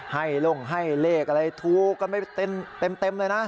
ให้ลงให้เลขอะไรถูกกันไม่เต็มเลยนะ